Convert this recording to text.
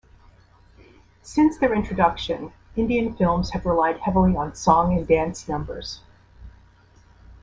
Since their introduction, Indian films have relied heavily on song and dance numbers.